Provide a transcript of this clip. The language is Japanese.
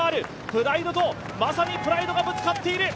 プライドとまさにプライドがぶつかっている。